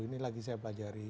ini lagi saya pelajari